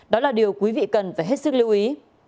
đó là điều quý vị cần phải hết sức lưu ý